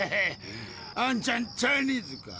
あんちゃんチャイニーズか？